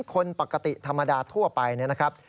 คนปกติธรรมดาทั่วไปนะครับ